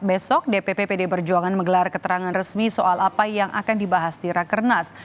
besok dpp pd perjuangan menggelar keterangan resmi soal apa yang akan dibahas di rakernas